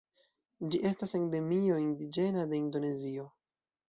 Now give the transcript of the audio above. Ĝi estas endemio indiĝena de Indonezio.